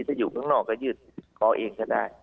ถ้าอยู่ข้างนอกก็ยืดคอเองก็ได้